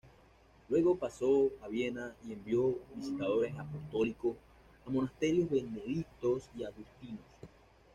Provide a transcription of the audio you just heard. Luego pasó a Viena y envió visitadores apostólicos a monasterios benedictinos y agustinos.